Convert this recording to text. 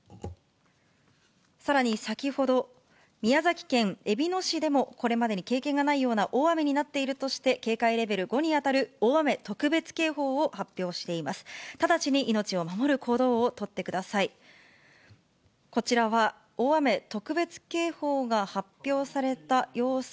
さらに先ほど、宮崎県えびの市でも、これまでに経験がないような大雨になっているとして、警戒レベル５に当たる大雨特別警報を発表しています。